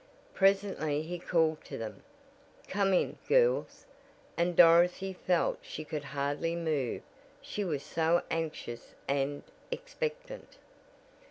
Presently he called to them: "Come in, girls," and Dorothy felt she could hardly move she was so anxious and expectant.